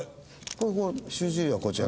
これ「主治医」はこちら。